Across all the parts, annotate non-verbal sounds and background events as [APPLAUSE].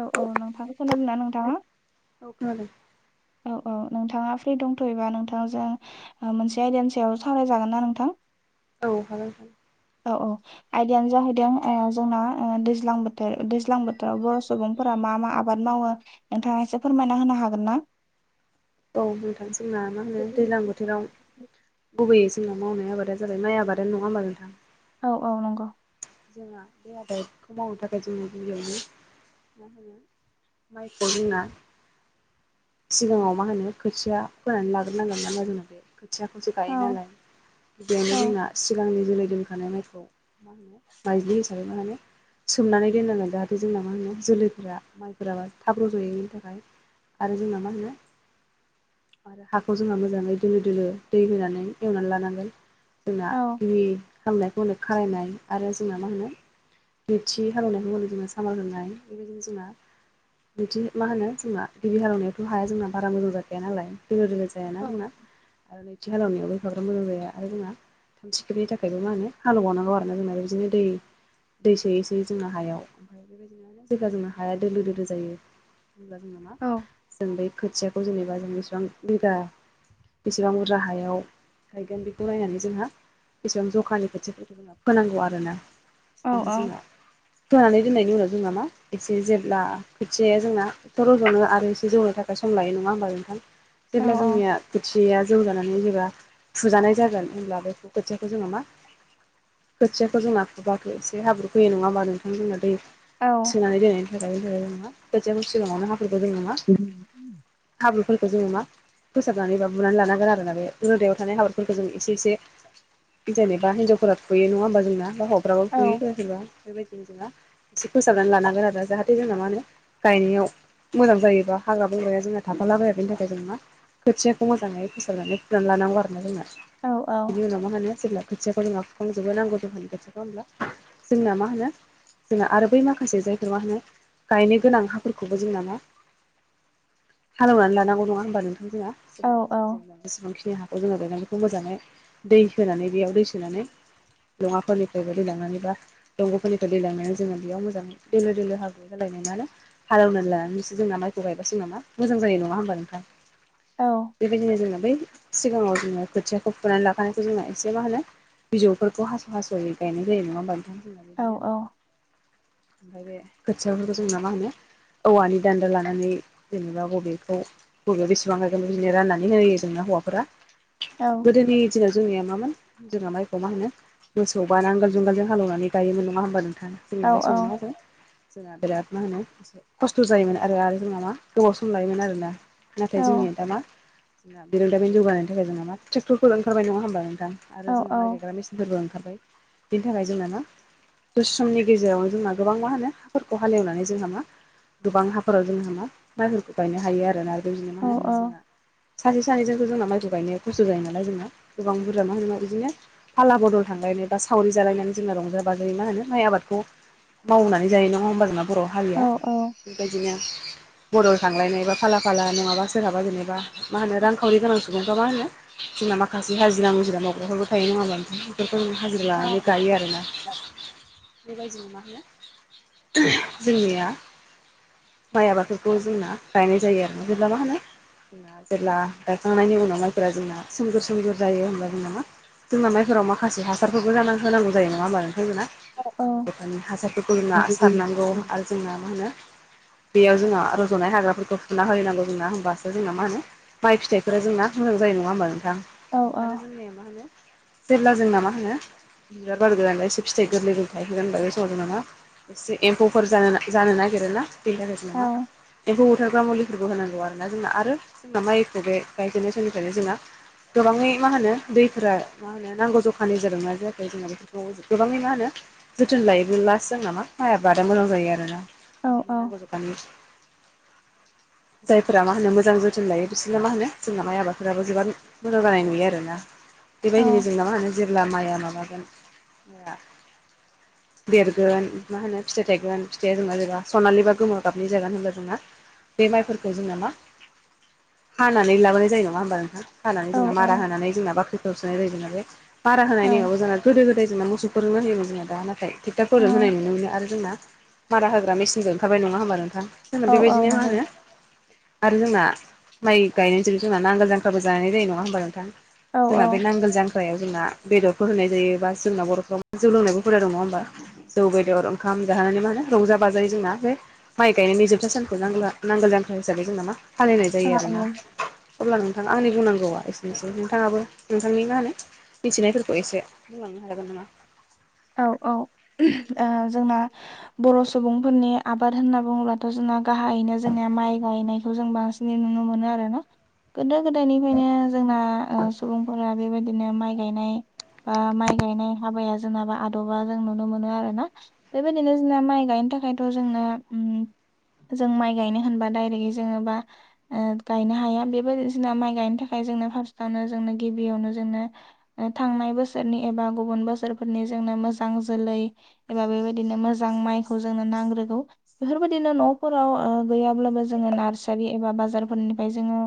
औ औ नोंथां खोनादोंना नोंथाङा? औ खोनादों। औ औ नोंथाङा फ्रि दंथ'योबा नोंथांजों मोनसे आयदानि सायाव सावरायजागोन ना नोंथां? औ हागोन। औ औ आयदायानो जाहैदों ओ जोंना दैज्लां बोथोर दैज्लां बोथोराव बर' सुबुं फोरा मा मा आबाद मावो नोंथाङा एसे फोरमायना होनो हागोन ना? औ नोंथां जोंना मा होनो दैज्लां बोथोराव गुबैयै जोंना मावनाय आबादानो जाबाय माइ आबादानो नङा होमबा नोंथां? औ औ नंगौ। जोंहा बे आबादखौ मावनो थाखाय जोङो गिबियावनो माइखौ जोंना सिगाङाव मा होनो खोथिया फोनानै लाग्रोनांगोन नामा जोंना बे खोथियाखौसो औ गायो नालाय। गिबियावनो औ जोंना सिगांनि जोलै दोनखानाय माइखौ मा होनो माइज्लि हिसाबै मा होनो सोमनानै दोननांगोन जाहाथे जोंना मा होनो जोलैफोरा माइफोराबा थाब र ज'यैनि थाखाय। आरो जोंना मा होनो। हाखौ जोंहा मोजाङै दोलो दोलो दै होनानै एवनानै लानांगोन। जोंना औ गिबि खालामनायखौनो खारायनाय आरो जोंना मा होनो नैथि हालेनायखौ होनो जोङो सामार होनाय बेबायदिनो जोंना बिदिनो मा होनो जोंना गिबि हालेवनायावथ' हाया जोंना बारा मोजां जाखाया नालाय दोलो दोलो जायाना जोंना? आरो नैथि हालेवनायावबो एफाग्रा मोजां जाया आरो जोंना थिख्रिबनि थाखायबो मा होनो हालेवनांगौ आरो जोंना बिदिनो दै दै सोयै सोयै जोंना हायाव जेब्ला जोंना हाया दोलो दोलो जायो अब्ला जोंना मा औ जों बे खोथियाखौ जेनेबा जों बेसेबां बिगा बेसेबां बुरजा राहायाव गायगोन बेखौ नायनानै जोंहा बेसेबां जखानि बोथियाफोरखौ फोनांगौ आरोना औ ओमफ्राय जोंना। फोनानै दोननायनि उनाव जोंना मा एसे जेब्ला खोथियाया जोंना नो आरो एसे जौनो थाखाय सम लायो नङा होमबा नोंथां औ जेब्ला जोंनिया खथिया आ जौनानै जेब्ला फुजानाय जागोन होनब्ला बे खोथियाखौ जोङो मा खोथियाखौ जोंना फुबाथाय एसे हाब्रु फैयो नङा होमबा नोंथां दै औ औ सोनानै दोननायनि थाखाय जोङो मा खोथियाखौ सिगाङावनो हाफोरफोरखौ दं नामा। उम हाब्रुफोरखौ जोङो मा फोसाबनानै एबा बुनानै लानांगोन आरोना बे रोदायाव थानाय हाफोरखौ जों एसे एसे जेनेबा हिनजावफोरा फुयो नङा होमबा जोंना बा हौवाफ्राबो औ फुयो सोरबा सोरबा बेबायदिनो जोंहा एसे फोसाबनानै लानांगोन आरो जाहाथे जोंना मा होनो गायनायाव मोजां जायोबा हाग्रा बंग्राया जोंहा थाफाला बाया बेनि थाखाय जों मा खोथियाखौ मोजाङै फोसाबनानै फुनानै लानांगौ आरो ना जोंना औ बिनि उनाव मा होनो जेब्ला खोथियाखौ जोंहा फुखांजोबनो नांगौ जखानि खोथियाखौ होमब्ला जोंना मा होनो जोंना आरो बै माखासे जायफोर मा होनो गायनो गोनां हाफोरखौबो जोंना मा हालौनानै लानांगौ नङा होमबा नोंथां जोंहा जे औ बेसेबांखिनि हागोन जोंना गायनानै बेखौ मोजाङै दै होनानै बेयाव दै सोनानै लङाफोरनिफ्रायबो दै लांनानैबा दंग'फोरनिखौ दैेलांनानै जोङो बेयाव मोजां दोलो दोलो हालौना लानानै जोंना माइखौ गायबासो मा माइआ मोजां जायो नङा होमबा नोंथां? औ बेबायदिनो जोङो बै सिगाङाव जोङो खोथियाखौ फुनानै लाखानायखौ जोङो एसे मा होनो बिजौफोरखौ हास' हास'यै गायनाय जायो नङा होमबा नोंथां। जोंना औ बिदिनो ओमफ्राय बे खोथियाफोरखौ जों ना मा होनो औवानि दान्दा लानानै जेनेबा बबेखौ बबेयाव बेसेबां हागोन बिदिनो राननानै होयो जोंनो हौवाफोरा गोदोनि थिनाव जोंनिया मामोन जोंहा माइखौ मा होनो? मोसौबा नांगाल जुंगालजों हालौनानै गायोमोन नङाहोमब नोंथां। औ [UNINTELLIGIBLE] बिराद मा होनो खस्थ' जायोमोन आ। आरो आरो जोंना मा गोबाव सम लायोमोन आरोना नाथाय जोंनिया दा मा औ जोंनाम [UNINTELLIGIBLE] फोरबो ओंखारबाय बिनि थाखाय जोंना मा दसे समनि गेजेरावनो जोंना गोबां मा होनो फोरखौ हालेवनानै जोंहा मा गोबां हाफ फोराव जोंहा मा मायफोरखौ गायनो हायो आरो ना बिदिनो औ मा होनो औ जोंना। सासे सानैजोंथ जोंना माइखौ गायनाया खस्थ' जायो नालाय जोंना गोबां बुरजा मा होनोबाव इदिनो। फाला बदल थांलायनाय बा सावरि जालायनानै जोंना रंजा बाजायै मा होनो माइ आबादखौ मावनानै जायो नङा होमबा जोंना बर' औ हारिया। दिनो बदल थांलायनाय बा फाला फाला नङाबा सोरहाबा जेनेबा मा होनो रांखावरि गोनांसुबुं। सोरबा मा होनो जोंना माखासे हाजिरा मुजिरा मावग्राफोरबो थायो नङाबा होमबा नोंथां। [UNINTELLIGIBLE] हाजिरा औ लानानै गायो आरोना। बेबायदिनो मा होनो उहुम जोंनिया। माइ आबादफोरखौ जोंना गायनाय जायो आरो [UNINTELLIGIBLE] जोंना जेब्ला गायखांनायनि उनाव माइफोरा जोंना सोमगोर सोमगोर जायो होमबा जोंना मा जोंना माइफोराव माखासे हासारफोरबो जाना होनांगौ जायो नङा होमबा नोंथांमोना। [UNINTELLIGIBLE] हासारफोरखौ औ जोंना सारनांगौ आरो जोंना मा होनो। बेयाव जोङा रज'नाय हाग्राफोरखौ फुना होयैनांगौ जोंना होमबासो जोंना मा होनो माइ फिथाइफोरा जोंना मोजां जायो नङा होमबा नोंथां औ आरो जों इया मा होनो जेब्ला जोंना मा होनो। [UNINTELLIGIBLE] सि एम्फौफोर जानोना जानो नागिरोना बिनि थाखाय जोंना मा। एम्फौ बुथारग्रा मुलिफोरबो होनांगौ आरोना जोंना आरो जोंना माइखौ बे गायजेननाय समनिफ्रायनो जोंना गोबाङै मा होनो दैफोरा मा मा होनो नांगौ जखानि जादोंना जायाखै जोंना बेफोरखौ जो गोबाङै मा होनो जोथोन लायोबोलासो जोंना मा माइ आबादा मोजां जायो आरोना। [UNINTELLIGIBLE] बर गामि। [INAUDIBLE] जायफोरा मा होनो मोजां जोथोन लायो बिसोरना मा होनो जोंना माइ आबादफोराबो जोबायाद मोजां जानाय नुयो आरोना। बेबायदिनो जोंना मा होनो जेब्ला माइआ माबागोन माया देरगोन मा होनो फिथाइ थाइगोन फिथाइया जोंना जोबा। सनालि बा गोमो गाबनि जागोन होनब्ला जोंना बे माइफोरखौ जोंना मा हानानै लाबोनाय जायो नङा होमबा नोंथां। हानानै औ जोंना मारा होनानै जोंना बाख्रिखौ होसोनाय जायो जोंना बे मारा होनायनिमाबायाव जोना गोदो गोदाय जोंना मोसौफोरजोंनो होयोमोन जोंना दा नाथाय टिक्टारफोरजों होनाय नुनो मोनो आरो जोंना मारा होग्रा मेसि [UNINTELLIGIBLE] ओंखारबाय नङा होमबा नोंथां जोंना औ औ बेबायदिनो मा नंगौ होनो आरो जोंना माइ गायनायनि जोबजोब थारबा नांगोल जांख्राबो जानाय जायो नङा होमबा नोंथां। औ जोंना बे नांगोल जां फायाव जोंना बेदरफोर होनाय जायो बा जोंना बर'फ्रा जौ लोंनायबो हुदा दङ नङा होमबा। जौ बेदर ओंखाम जानानै मा होनो रंजा बाज बै जोंना बे माइ गायनायनि जोबथा सानखौ नांगोला नांगोन जांख्राहिसाबै जों नामा फालिनाय औ जायो आरोना। [UNINTELLIGIBLE] मिथिनायफोरखौ एसे बुंलांनो हागोन नामा? औ औ जोंना बर' सुबुंफोरनि आबाद होनना बुंङोबाथ' जोंना गाहायैनो जोंनिया माइ गायनायखौ जों बांसिन। नुनो मोनो आरो ना गोदो गोदायनिफ्रायनो जोंना सुबुंफोरा बेबायदिनो माइ गायनाय बा माइ गायनाय हाबाया जोंबा आदबा जों नुनो मोनो आरो ना बेबायदिनो जोंना माइ गायनो थाखायथ' जोंना जों माइ गायनो होनबा दायरेक्टलि जोंङबा गायनो हाया बेबायदिना माइ गायनो थाखाय जोंनो फार्स्टआवनो जोंनो गिबियावनो जोंनो। थांनाय बोसोरनि एबा गुबुन बोसोरफोरनि जोंनो मोजां जोलै एबा बेबायदिनो मोजां माइखौ जोंनो नांग्रोगौ बेफोरबायदिनो न'फोराव गैयाब्लाबो जोंङो नार्सारि एबा बाजारफोरनिफ्राय जोंङो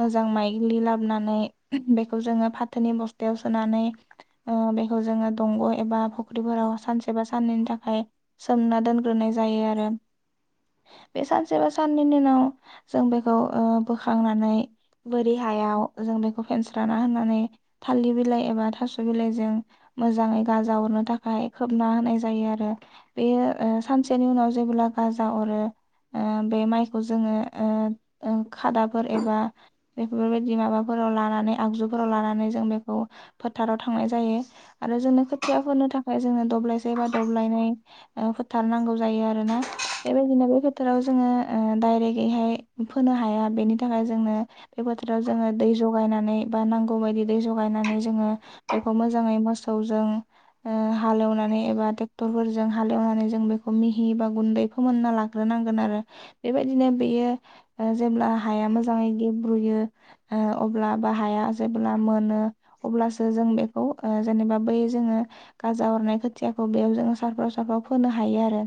मोजां माइग्लि लाबोनानै बेखौ जोंङो फाथोनि बस्थायाव सोनानै बेखौ जोंङो दंग' एबा फुख्रिफोराव सानसे बा साननैनि थाखाय सोमना दोनग्रोनाय जायो आरो। बे सानसे बा साननि उनाव जों बेखौ बोखांनानै बोरि हायाव जों बेखौ फेनस्राना होननानै थालिर बिलाइ एबा थास' बिलाइजों मोजांङै गाजा हवरनो थाखाय खोब ना होनाय जायो आरो। बे सानसेनि उनाव जेबोब्ला गाजा हरो बे माइखौ जोंङो खादाफोर एबा बेफोरबायदि माबाफोराव लानानै आगजुफोराव लानानै जों बेखौ फोथाराव थांनाय जायो। आरो जोंनो खोथिया फो थाखाय जोंङनो दब्लायसे बा दब्लायनै फोथारनांगौ जायो आरो ना? बेबायदिनो बे फोथाराव जोंङो दडायरेक्टैहाय फोनो हाया बेनि थाखाय जोंनो बे बोथोराव जोंङो दै जगायनानै बा नांगौ बायदि दै जगायनानै जोंङो बेखौ मोजांङै मोसौव जों हालेवनानै एबा ट्रेक्टरफोरजों हालेवनानै जों बेखौ मिहि ए बा गुन्दै फोमोन्ना लाग्रोनांगोन आरो बेबायदिनो बेयो जेब्ला हाया मोजांङै गेब्रुयो अब्लाबो हाया जेब्ला मोनो अब्लासो जों बेखौ ओ जेनेबा बै जोंङो गाजा हरनाय खोथियाखौ बेयाव जोंङो साफ्राव सारफ्राव फोनो हायो आरो।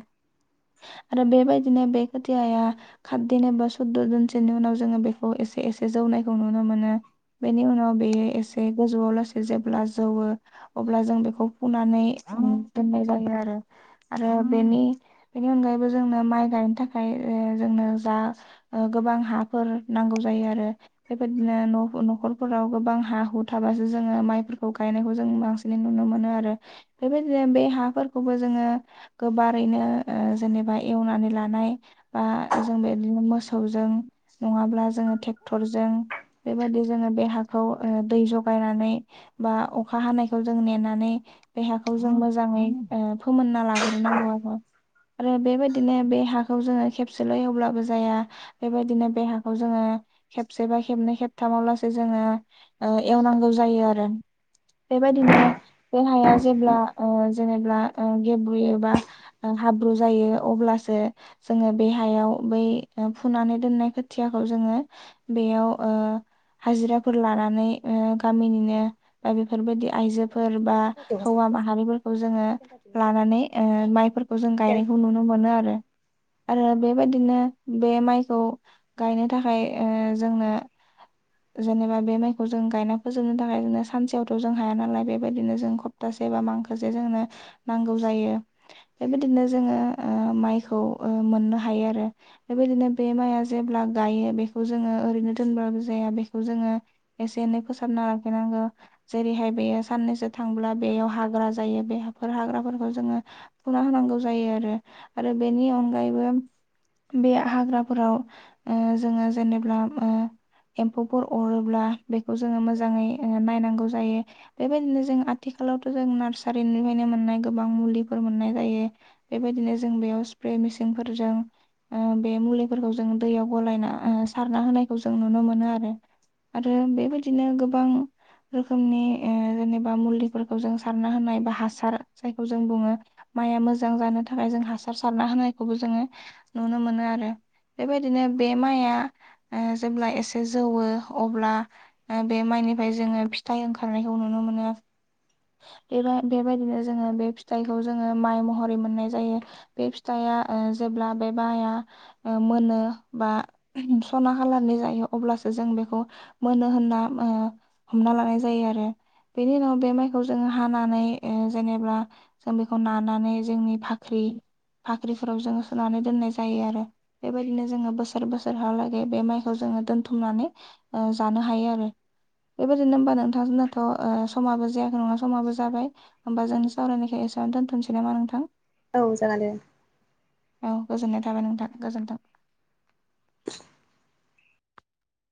आरो बेबायदिनो बे खोथियाया कारदिन एबा सुद्द' दिनसनि उनाव जोंङो बेखौ एसे एसे जौनायखौ नुनो मोनो। बेनि उनाव बेयो एसे गोजौआव लासै जेब्ला जौवो अब्ला जों बेखौ फुनानै दोननाय जायो आरो आरो बेनि बेनि अनगायैबो जोंनो माइ गायनो थाखाय जोंनो जा गोबां हाफोर नांगौ जायो आरो। बेबायदिनो न'खरफोराव गोबां हा हु थाबासो जोंङो माइफोरखौ गायनायखौ जों बांसिन नुनो मोनो आरो बेबायदिनो बे हाफोरखौबो जोंङो गोबारैनो जेनेबा एवनानै लानाय बा जों बे बिदिनो मोसौजों नङाब्ला जोंङो ट्रेक्टरजों बेबायदि जोंङो बे हाखौ दै जगायनानै बा अखा हानायखौ जों नेनानै बेहाखौ जों मोजांङै फोमोनना लाग्रोनांगौ आरो। आरो बेबायदिनो बे हाखौ जोंङो खेबसेल' एवब्लाबो जाया। बेबायदिनो बेहाखौ जोंङो खेबसेबा खेबनै खेबथामावलासो जोंङो एवनांगौ जायो आरो। बेबायदिनो बोहाया जेब्ला जेनेबा गेब्रुयोबा हाब्रु जायो अब्लासो जोंङो बे हायाव बै फुनानै दोननाय खोथियाखौ जोंङो बेयाव ओ हाजिराफोर लानानै ओ गामिनिनो बा बेफोरबायदि आइजो बा हौवा माहारिफोरखौ जोङो लानानै ओ माइफोरखौ जों गायनायखौ नुनो मोनो आरो। आरो बेबायदिनो बे माइखौ गायनो थाखाय ओ जोंनो जेनेबा बे माइखौ जों गायना फोजोबनो थाखाय जोंनो सानसेयावथ' जों हाया नालाय बेबायदिनो जों ख सप्तासे बा मांखोसे जोंनो नांगौ जायो। बेबायदिनो जोङो ओ माइखौ ओऔ मोननो हायो आरो। बेबायदिनो बे माइआ जेब्ला गायो बेखौ जोङो ओरैनो दोनबाबो जाया बेखौ जोङो एसे-एनै फोसाबना लाखिनांगौ जेरैहाय बेयो साननैसो थांब्ला बेयाव हाग्रा जायो बेफोर हाग्राफोरखौ जोङो बुखुना होनांगौ जायो आरो आरो बेनि अनगायैबो बे हाग्राफोराव ओ जोङो जेनेब्ला ओ एम्फौफोर अरोब्ला बेखौ जोङो मोजाङै ओ नायनांगौ जायो। बेबायदिनो जों आथिखालावथ' जों नार्सारिनिफ्रायनो मोननाय गोबां मुलिफोर मोननाय जायो। बेबायदिनो जों बेयाव स्प्रे मेसिंफोरजों ओ बे मुलिफोरखौ जों दैयाव गलायना ओ सारना होनायखौ जों नुनो मोनो आरो। आरो बेबायदिनो गोबां रोखोमनि ओ जेनेबा मुलि फोरखौ जों सारना होनाय बा हासार जायखौ जों बुङो माइआ मोजां जानो थाखाय जों हासार सारना होनायखौबो जोङो नुनो मोनो आरो। बेबायदिनो बे माइया ओ जेब्ला एसे जौवो अब्ला ओ बे माइनिफ्राय जोङो फिथाइ ओंखारनायखौ नुनो मोनो। बेबा-बेबायदिनो जोङो बे फिथाइखौ जोङो माइ महरै मोननाय जायो। बे फिथाइआ ओ जेब्ला बे बाया ओ मोनो बा सना खालारनि जायो अब्लासो जों बेखौ मोनो होनना ओ हमना लानाय जायो आरो। बेनि उनाव बे माइ खौ जोङो हानानै ओ जेनेबा जों बेखौ नानानै जोंनि बाख्रि बाख्रिफोराव जोङो सोनानै दोननाय जायो आरो। बेबायदिनो जोङो बोसोर बोसोरहालागै बे माइखौ जोङो दोनथुमनानै ओ जानो हायो आरो। बेबायदिनो होमबा नोंथां जोंनाथ' ओ समाबो जा समाबो जाबाय। होमबा जोंनि सावराय नायखौ एसेयावनो दोन्थ'नोसै नामा नोंथां? औ जागोन दे। औ गोजोननाय थाबाय नोंथां, गोजोन्थों। [INAUDIBLE]